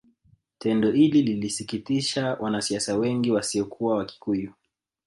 Tendo hili lilisikitisha wanasiasa wengi wasiokuwa Wakikuyu